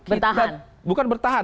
bertahan bukan bertahan